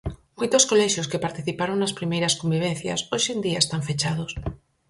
Moitos colexios que participaron nas primeiras convivencias hoxe en día están fechados.